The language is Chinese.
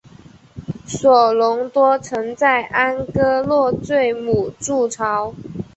索隆多曾在安戈洛坠姆筑巢。